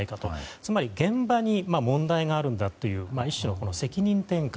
つまり現場に問題があるんだという一種の責任転嫁